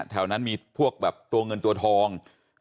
แถวนั้นมีพวกแบบตัวเงินตัวทอง